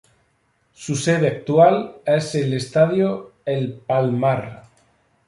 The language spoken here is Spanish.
Su sede actual es el estadio El Palmar.